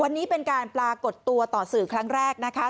วันนี้เป็นการปรากฏตัวต่อสื่อครั้งแรกนะคะ